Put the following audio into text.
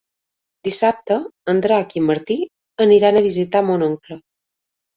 Dissabte en Drac i en Martí aniran a visitar mon oncle.